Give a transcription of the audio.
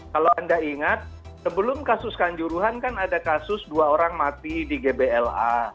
kalau anda ingat sebelum kasus kanjuruhan kan ada kasus dua orang mati di gbla